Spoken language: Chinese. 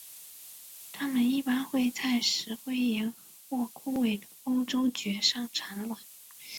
它们一般会在石灰岩或枯萎的欧洲蕨上产卵。